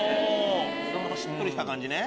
しっとりした感じね。